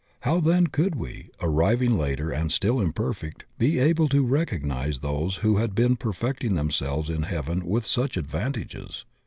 How then could we, arrivmg later and still imperfect, be able to recognize those who had been perfecting them selves in heaven with such advantages?